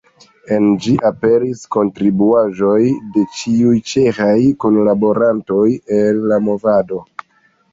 En ĝi aperis kontribuaĵoj de ĉiuj ĉeĥaj kunlaborantoj el la movado.